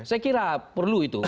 saya kira perlu itu